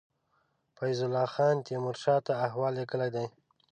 فیض الله خان تېمور شاه ته احوال لېږلی دی.